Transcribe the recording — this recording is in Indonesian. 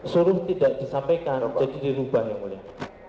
suruh tidak disampaikan jadi dirubah yang mulia